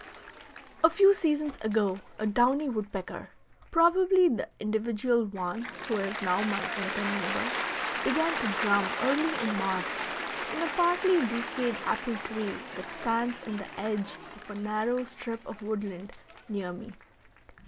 A few seasons ago a downy woodpecker, probably the individual one who is now my winter neighbor, began to drum early in March in a partly decayed apple tree that stands in the edge of a narrow strip of woodland near me.